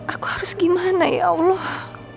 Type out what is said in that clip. aku harus gimana ya allah